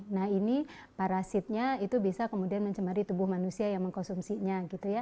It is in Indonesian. nah ini parasitnya itu bisa kemudian mencemari tubuh manusia yang mengkonsumsinya gitu ya